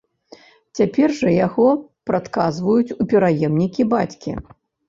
Цяпер жа яго прадказваюць у пераемнікі бацькі.